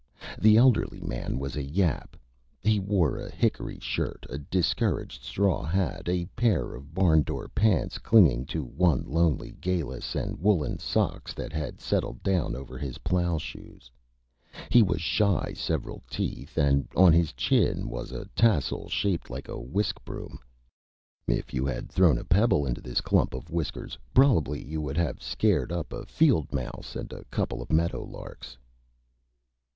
The elderly Man was a Yap. He wore a Hickory Shirt, a discouraged Straw Hat, a pair of Barn Door Pants clinging to one lonely Gallus and woolen Socks that had settled down over his Plow Shoes. He was shy several Teeth and on his Chin was a Tassel shaped like a Whisk Broom. If you had thrown a Pebble into this Clump of Whiskers probably you would have scared up a Field Mouse and a couple of Meadow Larks.